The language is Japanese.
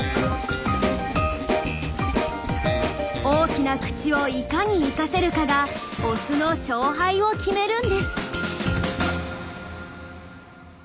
大きな口をいかに生かせるかがオスの勝敗を決めるんです。